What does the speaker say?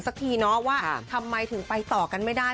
ทั้งน้อยทมายไปต่อกันไม่ได้